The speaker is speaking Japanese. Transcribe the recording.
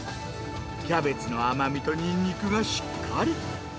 キャベツの甘みとニンニクがしっかり。